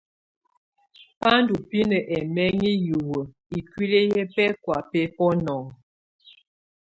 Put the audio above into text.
Bá ndù binǝ ɛmɛŋɛ hiwǝ ikuili yɛ bɛkɔ̀á bɛ bunɔŋɔ.